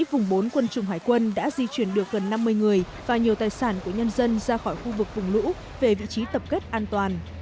vùng bốn quân chủng hải quân đã di chuyển được gần năm mươi chiến sĩ gần năm mươi người và nhiều tài sản của nhân dân ra khỏi khu vực vùng lũ về vị trí tập kết an toàn